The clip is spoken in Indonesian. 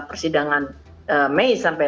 persidangan mei sampai